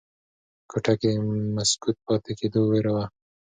په کوټه کې د مسکوت پاتې کېدو ویره وه.